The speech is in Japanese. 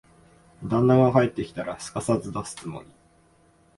旦那が帰ってきたら、すかさず出すつもり。